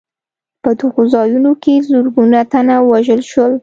په دغو ځایونو کې زرګونه تنه ووژل شول.